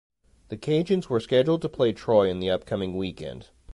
The Cajuns were scheduled to play Troy in the upcoming weekend.